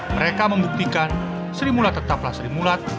mereka membuktikan sri mulat tetaplah sri mulat